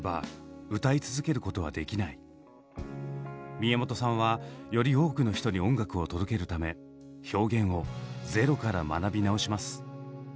宮本さんはより多くの人に音楽を届けるため表現をゼロから学び直します。